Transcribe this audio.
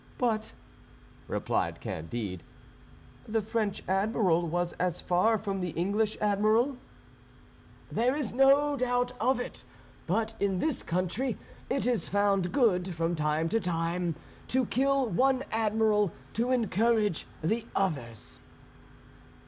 "But," replied Candide, "the French Admiral was as far from the English Admiral." "There is no doubt of it; but in this country it is found good, from time to time, to kill one Admiral to encourage the others."